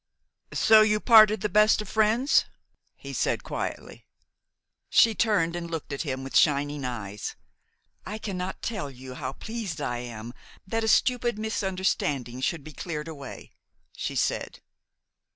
"So you parted the best of friends?" he said quietly. She turned and looked at him with shining eyes. "I cannot tell you how pleased I am that a stupid misunderstanding should be cleared away!" she said.